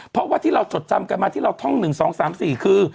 เพราะว่าที่เราจดจำกันมาที่เราท่อง๑๒๓๔คือ